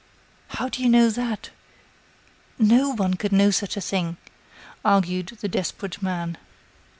"How do you know that? No one could know such a thing," argued the desperate man.